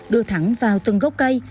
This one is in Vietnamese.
đưa thẳng vào từng gốc cây